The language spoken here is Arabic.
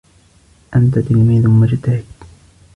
انت تلميذ مجتهد